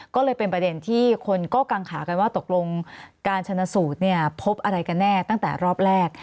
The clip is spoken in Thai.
ก็เลยเป็นประเด็นที่คนก็กังขากันว่าตกลงการชนะสูตรเนี่ยพบอะไรกันแน่ตั้งแต่รอบแรก